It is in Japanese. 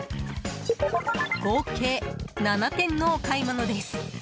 合計７点のお買い物です。